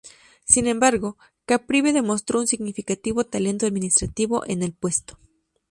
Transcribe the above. Sin embargo, Caprivi demostró un significativo talento administrativo en el puesto.